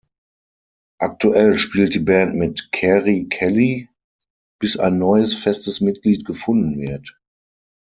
Aktuell spielt die Band mit Keri Kelli, bis ein neues festes Mitglied gefunden wird.